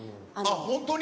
本当に？